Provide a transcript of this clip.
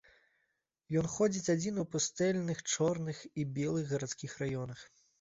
Ён ходзіць адзін у пустэльных чорных і белых гарадскіх раёнах.